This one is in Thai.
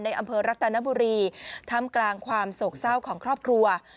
อำเภอรัตนบุรีทำกลางความโศกเศร้าของครอบครัว